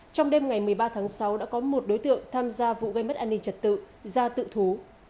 trong đêm ngày một mươi ba tháng sáu đã có một đối tượng tham gia vụ gây mất an ninh trật tự ra tự thú